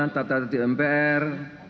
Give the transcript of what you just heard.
tata tertibu mpr